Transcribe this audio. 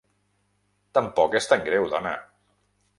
Tampoc és tan greu, dona!